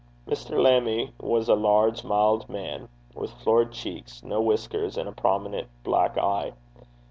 Mr. Lammie was a large, mild man, with florid cheeks, no whiskers, and a prominent black eye.